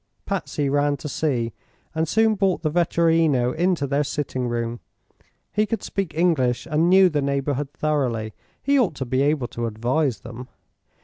Patsy ran to see, and soon brought the vetturino into their sitting room. He could speak English and knew the neighborhood thoroughly. He ought to be able to advise them.